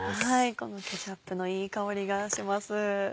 このケチャップのいい香りがします。